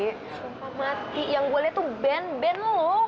sumpah mati yang gua lihat tuh ben ben lu